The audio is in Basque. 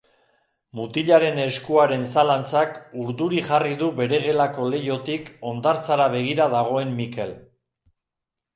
Mutilaren eskuaren zalantzak urduri jarri du bere gelako leihotik hondartzara begira dagoen Mikel.